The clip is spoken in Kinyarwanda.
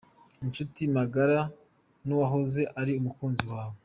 Inshuti magara n’uwahoze ari umukunzi wawe.